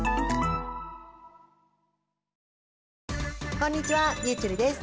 こんにちはりゅうちぇるです。